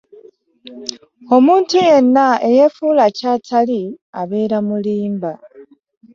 Omuntu yenna eyeefuula ky'atali abeera mulimba.